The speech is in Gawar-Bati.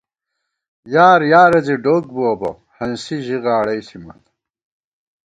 یار یارہ زی ڈوک بُوَہ بہ، ہنسی ژِی غاڑَئی ݪِمان